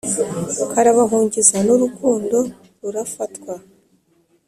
karabahungiza n’urukundo rurafatwa,